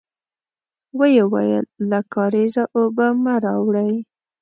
ويې ويل: له کارېزه اوبه مه راوړی!